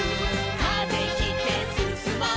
「風切ってすすもう」